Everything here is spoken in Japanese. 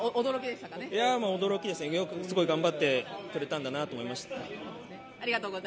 驚きでした、すごい頑張ってくれたんだなと思いました。